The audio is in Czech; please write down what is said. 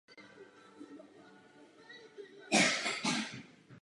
U paty rozhledny je jednoduchý turistický přístřešek.